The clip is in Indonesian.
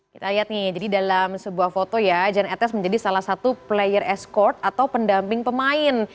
kita lihat nih jadi dalam sebuah foto ya jan etes menjadi salah satu player escord atau pendamping pemain